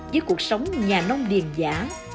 với cuộc sống nhà nông điền giả